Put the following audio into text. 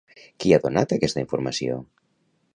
Qui ha donat aquesta informació?